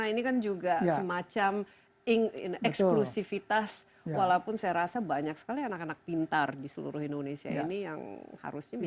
ini kan juga semacam eksklusivitas walaupun saya rasa banyak sekali anak anak pintar di seluruh indonesia ini yang harusnya bisa